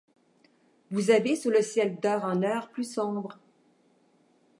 Vous avez, sous le ciel d'heure en heure plus sombre